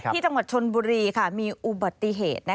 ที่จังหวัดชนบุรีมีอุบัติเหตุ